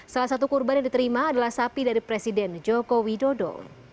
salah satu korban yang diterima adalah sapi dari presiden joko widodo